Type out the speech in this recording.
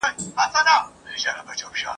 «ستۍ» و هغه نجلی ته ويل کېږي